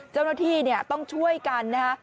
เจ้าหน้าที่ต้องช่วยกันนะฮะ